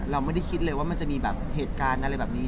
เราไม่ได้คิดเลยว่ามันจะมีแบบเหตุการณ์อะไรแบบนี้